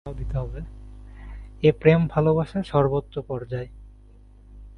এ প্রেম ভালোবাসার সর্ব্বোচ্চ পর্যায়।